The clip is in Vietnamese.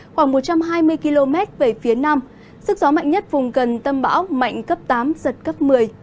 khoảng một trăm hai mươi km về phía nam sức gió mạnh nhất vùng gần tâm bão mạnh cấp tám giật cấp một mươi